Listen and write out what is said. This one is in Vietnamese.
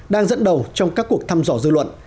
đang dẫn đầu trong các cuộc thăm dò dư luận